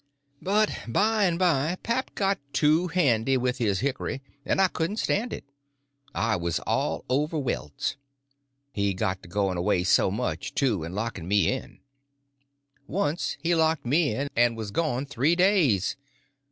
But by and by pap got too handy with his hick'ry, and I couldn't stand it. I was all over welts. He got to going away so much, too, and locking me in. Once he locked me in and was gone three days.